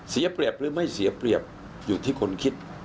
เสียเปรียบหรือไม่เสียเปรียบอยู่ที่คนคิด